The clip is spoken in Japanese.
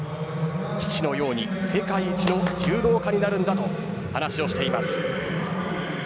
父のように世界一の柔道家になるんだと話をしています。